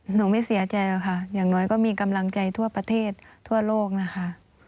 หนูไม่เสียใจหรอกค่ะอย่างน้อยก็มีกำลังใจทั่วประเทศทั่วโลกนะคะ